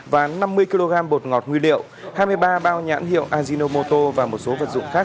và năm mươi kg bột ngọt nguy liệu hai mươi ba bao nhãn hiệu ajinomoto và một số vật dụng khác